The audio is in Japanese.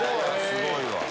すごいわ。